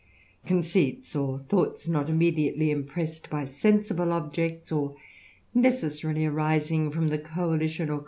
Conceits, or thoughts not immediately impressed \^^ sensible objects, or necessarily arising from the coalition <^:^^^^.